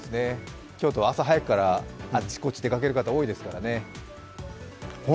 京都は朝早くからあっちこっち出かける方多いですからね。